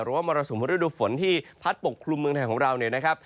หรือว่ามรสุมฤดูฝนที่พัดปกคลุมเมืองไทยของเรา